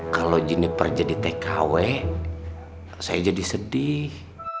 kalau jennieper jadi tkw saya jadi sedih